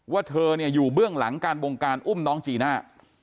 ว่าเธออยู่เบื้องหลังการบงการอุ้มน้องจีน่า